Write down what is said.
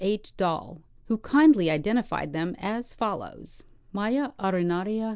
H. Dall, who kindly identified them as follows : Mya arenaria, L.